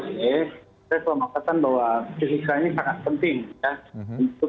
saya perlambatan bahwa fisik saya ini sangat penting ya